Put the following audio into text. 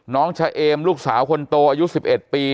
ชะเอมลูกสาวคนโตอายุ๑๑ปี